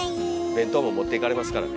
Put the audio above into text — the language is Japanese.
弁当も持っていかれますからね。